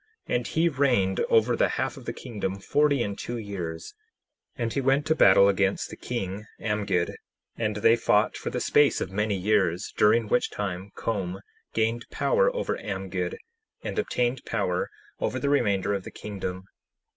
And he reigned over the half of the kingdom forty and two years; and he went to battle against the king, Amgid, and they fought for the space of many years, during which time Com gained power over Amgid, and obtained power over the remainder of the kingdom.